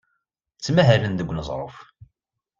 Ttmahalen deg uneẓruf.